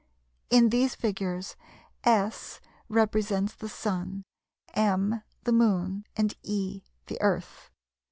In these figures S represents the Sun, M the Moon and E the Earth.